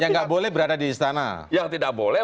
yang nggak boleh berada di istana yang tidak boleh